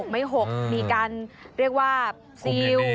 ไม่๖มีการเรียกว่าซิล